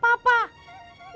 pasti ada apa apa